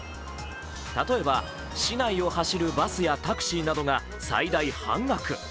例えば市内を走るバスやタクシ−などが最大半額。